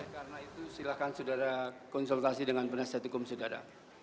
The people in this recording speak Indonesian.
karena itu silakan saudara konsultasi dengan penasihat hukum saudara